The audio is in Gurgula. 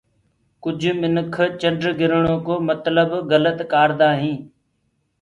ڪُج منک چنڊگِرڻو ڪو متلب گلت ڪآردآ هينٚ